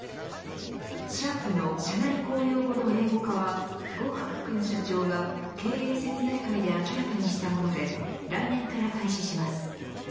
シャープの社内公用語の英語化は呉柏勲社長が経営説明会で明らかにしたもので来年から開始します。